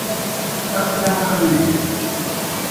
Ad ken-awiɣ yid-i.